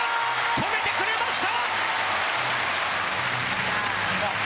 止めてくれました！